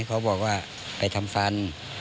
เขาบอกว่าไปทำฟัน